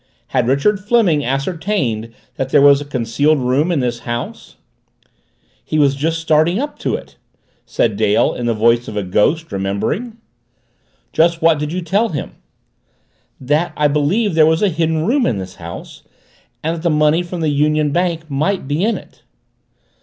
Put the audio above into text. Had Richard Fleming ascertained that there was a concealed room in this house?" "He was starting up to it!" said Dale in the voice of a ghost, remembering. "Just what did you tell him?" "That I believed there was a Hidden Room in the house and that the money from the Union Bank might be in it."